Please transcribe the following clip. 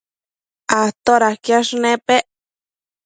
todaquiash nepec?